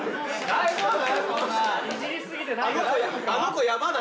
大丈夫？